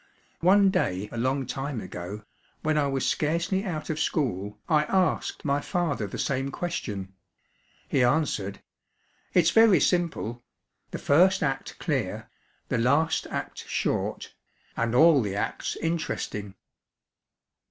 One day a long time ago, when I was scarcely out of school, I asked my father the same question. He answered: "It's very simple; the first act clear, the last act short, and all the acts interesting."